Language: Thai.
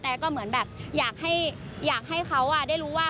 แต่ก็เหมือนแบบอยากให้เขาได้รู้ว่า